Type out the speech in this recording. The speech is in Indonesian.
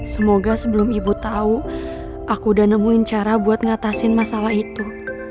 semoga sebelum ibu tahu aku udah nemuin cara buat ngatasin masalah itu